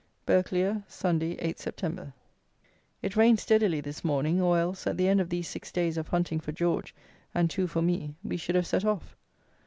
Burghclere, Sunday, 8th Sept. It rained steadily this morning, or else, at the end of these six days of hunting for George, and two for me, we should have set off.